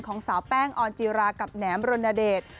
ของสาวแป้งออนจิรากับแหนมรณเดช